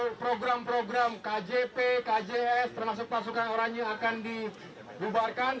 untuk program program kjp kjs termasuk pasukan orangnya akan dibubarkan